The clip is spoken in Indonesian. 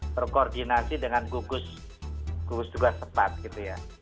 berkoordinasi dengan gugus tugas sepat